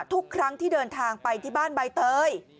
ทุกครั้งที่เดินทางไปที่บ้านใบเตย